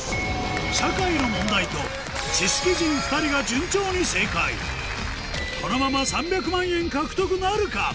社会の問題と知識人２人がこのまま３００万円獲得なるか？